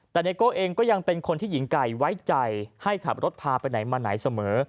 แต่ไนโก้เองก็ยังเป็นคนที่หญิงไก่ไว้ใจให้ขับรถพาไปไหนมาไหนเสมอ